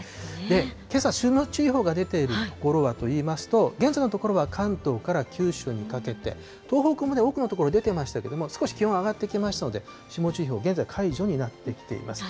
けさ霜注意報が出ている所はといいますと、現在のところは関東から九州にかけて、東北も多くの所出てましたけれども、少し気温上がってきましたので、霜注意報、現在解除になってきています。